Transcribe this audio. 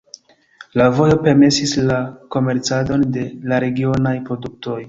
La vojo permesis la komercadon de la regionaj produktoj.